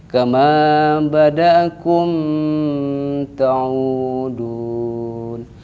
kama badakum ta'udun